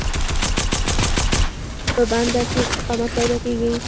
په بنده کې استقامت پیدا کېږي.